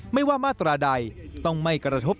ไม่ว่ามาตราใดต้องไม่กระทบ